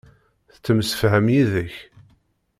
Tettemsefham yid-k.